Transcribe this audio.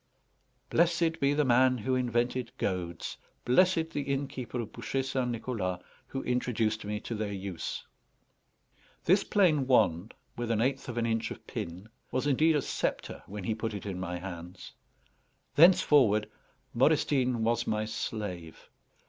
Blessed be the man who invented goads! Blessed the innkeeper of Bouchet St. Nicholas, who introduced me to their use! This plain wand, with an eighth of an inch of pin, was indeed a sceptre when he put it in my hands. Thenceforward Modestine was my slave.